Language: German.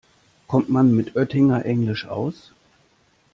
Kommt man mit Oettinger-Englisch aus?